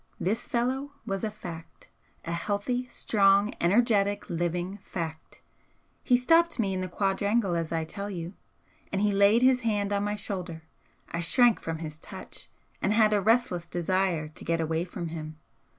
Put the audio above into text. This fellow was a Fact, a healthy, strong, energetic, living Fact. He stopped me in the quadrangle as I tell you, and he laid his hand on my shoulder. I shrank from his touch, and had a restless desire to get away from him.